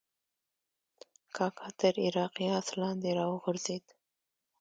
کاکا تر عراقي آس لاندې راوغورځېد.